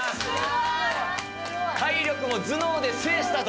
体力も頭脳で制したと。